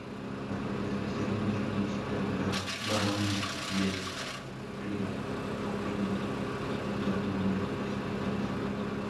Afecta especialmente al municipio de La Baronia de Rialb, que da nombre al pantano.